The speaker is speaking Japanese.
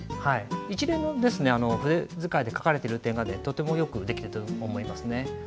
一連の筆使いで書かれている点がとてもよくできていると思いますね。